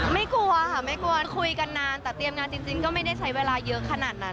กลัวค่ะไม่กลัวคุยกันนานแต่เตรียมงานจริงก็ไม่ได้ใช้เวลาเยอะขนาดนั้น